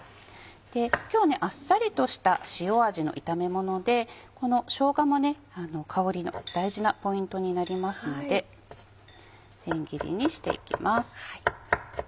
今日あっさりとした塩味の炒めものでこのしょうがも香りの大事なポイントになりますので千切りにしていきます。